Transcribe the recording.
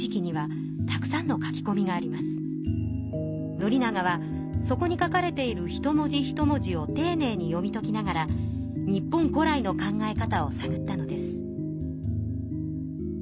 宣長はそこに書かれている一文字一文字をていねいに読み解きながら日本古来の考え方をさぐったのです。